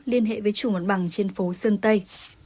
liên hệ với chủ mặt bằng trên phố sơn tây